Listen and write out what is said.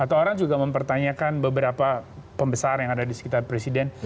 atau orang juga mempertanyakan beberapa pembesar yang ada di sekitar presiden